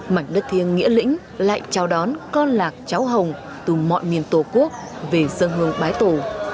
mảnh đất thiêng nghĩa lĩnh lại chào đón con lạc cháu hồng từ mọi miền tổ quốc về dân hương bái tổ